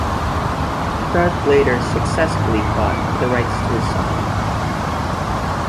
Sharp later successfully fought for the rights to his song.